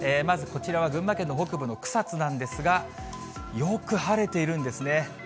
まずこちらは群馬県の北部の草津なんですが、よく晴れているんですね。